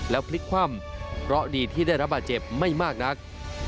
พลิกคว่ำเพราะดีที่ได้รับบาดเจ็บไม่มากนัก